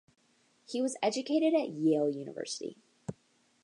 He was educated at Yale University.